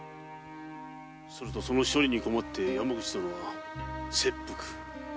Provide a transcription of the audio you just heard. するとその処理に困って山口殿は切腹という事か。